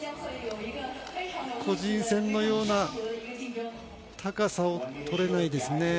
個人戦のような高さを取れないですね。